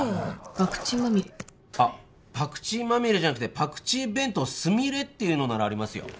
ばくちまみれパクチーマミレじゃなくてパクチー弁当スミレっていうのならありますよ